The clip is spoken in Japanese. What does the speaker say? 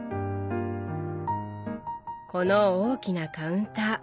この大きなカウンター。